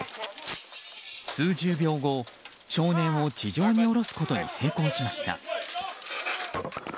数十秒後、少年を地上に下ろすことに成功しました。